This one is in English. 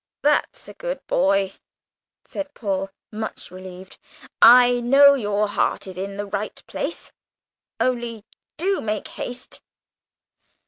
"That's a good boy!" said Paul, much relieved, "I know your heart is in the right place only do make haste."